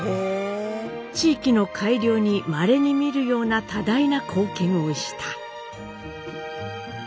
地域の改良にまれに見るような多大な貢献をした」。